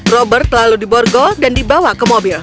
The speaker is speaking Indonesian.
robert lalu diborgo dan dibawa ke mobil